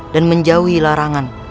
dan menjauhi larangan